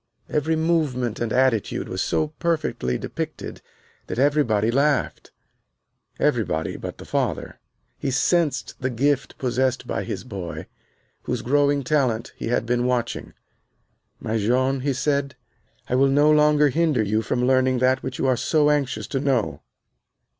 Every movement and attitude was so perfectly depicted that everybody laughed everybody but the father. He sensed the gift possessed by his boy, whose growing talent he had been watching. "My Jean," he said, "I will no longer hinder you from learning that which you are so anxious to know."